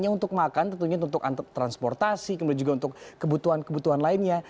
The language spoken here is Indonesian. hanya untuk makan tentunya untuk transportasi kemudian juga untuk kebutuhan kebutuhan lainnya